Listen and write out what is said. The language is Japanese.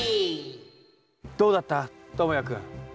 どうだった？ともやくん。